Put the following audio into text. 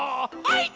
はい！